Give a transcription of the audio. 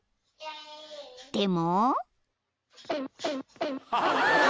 ［でも］